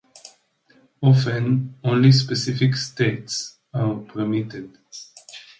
Often, only specific states are permitted.